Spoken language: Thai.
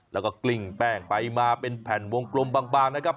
แล้วก็กลิ้งแป้งไปมาเป็นแผ่นวงกลมบางนะครับ